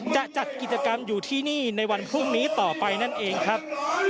จะจัดกิจกรรมอยู่ที่นี่ในวันพรุ่งนี้ต่อไปนั่นเองครับ